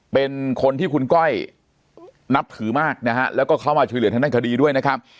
เป็นคนที่คุณก้อยนับถือมากนะฮะแล้วก็เข้ามาช่วยเหลือทางด้านคดีด้วยนะครับ